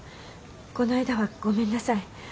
この間はごめんなさい。